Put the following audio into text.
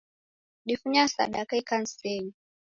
Difunya sadaka ikanisenyi.